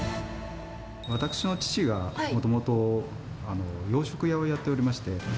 私の父がもともと洋食屋をやっておりまして。